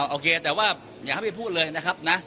โอเคแต่ว่าอย่าให้ไปพูดเลยนะครับนะ